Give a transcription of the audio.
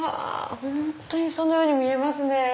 本当にそのように見えますね。